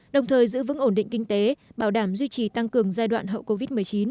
đồng thời giữ vững ổn định kinh tế bảo đảm duy trì tăng cường giai đoạn hậu covid một mươi chín